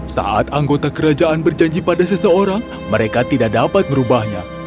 saat anggota kerajaan berjanji pada seseorang mereka tidak dapat merubahnya